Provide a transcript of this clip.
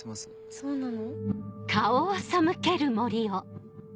そうなの？